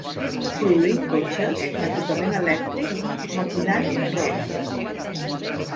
Produint cotxes, equipament elèctric, maquinaria i roba.